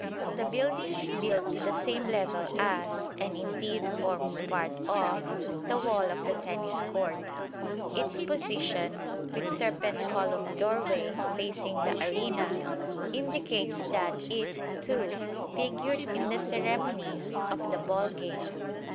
The building is built to the same level as, and indeed forms part of, the wall of the Tennis Court. Its position, with serpent columned doorway, facing the arena, indicates that it, too, figured in the ceremonies of the ball game.